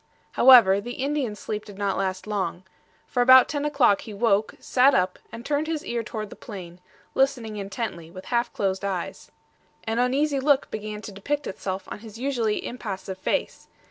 However, the Indian's sleep did not last long; for about ten o'clock he woke, sat up, and turned his ear toward the plain, listening intently, with half closed eyes. An uneasy look began to depict itself on his usually impassive face.